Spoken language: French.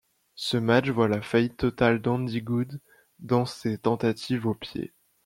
Ce match voit la faillite totale d'Andy Goode dans ses tentatives au pied.